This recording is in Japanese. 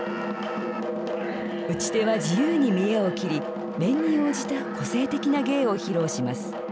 打ち手は自由に見得を切り面に応じた個性的な芸を披露します。